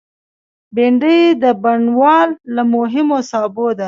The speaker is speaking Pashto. بېنډۍ د بڼوال له مهمو سابو ده